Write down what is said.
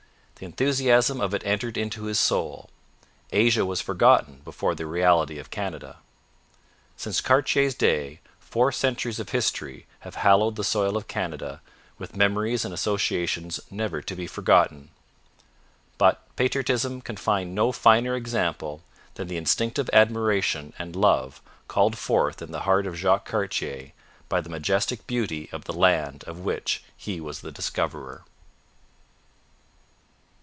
The enthusiasm of it entered into his soul. Asia was forgotten before the reality of Canada. Since Cartier's day four centuries of history have hallowed the soil of Canada with memories and associations never to be forgotten. But patriotism can find no finer example than the instinctive admiration and love called forth in the heart of Jacques Cartier by the majestic beauty of the land of which he was the discoverer.